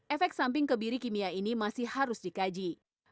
efek samping kebiri kimia ini masih harus dikaji